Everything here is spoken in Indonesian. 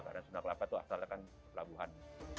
karena sunda kelapa itu asal pelabuhan